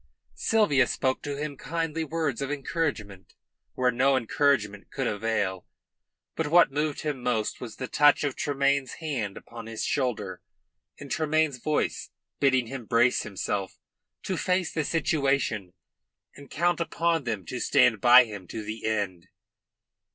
Sylvia spoke to him kindly words of encouragement where no encouragement could avail. But what moved him most was the touch of Tremayne's hand upon his shoulder, and Tremayne's voice bidding him brace himself to face the situation and count upon them to stand by him to the end.